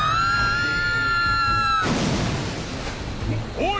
おい！